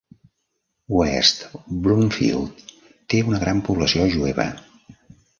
West Bloomfield té una gran població jueva.